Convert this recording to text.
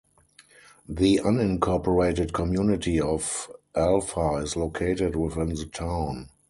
The unincorporated community of Alpha is located within the town.